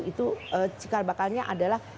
itu cikal bakalnya adalah